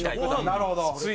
なるほど。